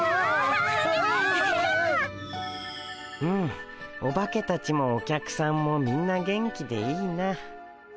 うんおばけたちもお客さんもみんな元気でいいな。